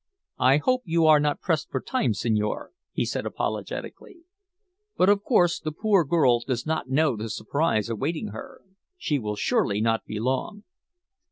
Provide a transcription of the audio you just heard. "I hope you are not pressed for time, signore?" he said apologetically. "But, of course, the poor girl does not know the surprise awaiting her. She will surely not be long."